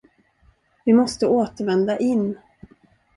Vi måste återvända in.